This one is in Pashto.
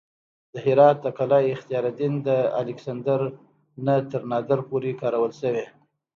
د هرات د قلعه اختیارالدین د الکسندر نه تر نادر پورې کارول شوې